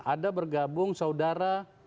ada bergabung saudara